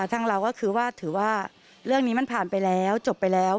ทั้งเราก็คือว่าถือว่าเรื่องนี้มันผ่านไปแล้วจบไปแล้ว